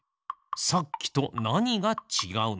さっきとなにがちがうのか。